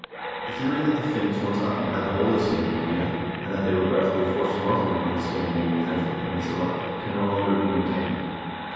The theory that the Finns once occupied the whole of Scandinavia, and that they were gradually forced northward when the Scandina vians entered the peninsula, can no longer be maintained.